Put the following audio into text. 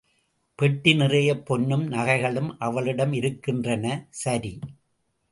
பெட்டி நிறையப் பொன்னும், நகைகளும் அவளிடம் இருக்கின்றன. சரி!